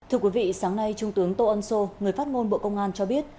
thưa quý vị sáng nay trung tướng tô ân sô người phát ngôn bộ công an cho biết